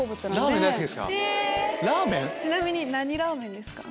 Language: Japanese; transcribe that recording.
ちなみに何ラーメンですか？